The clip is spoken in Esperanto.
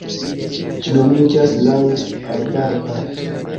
Ĝi nomiĝas laŭ arbaro-parto.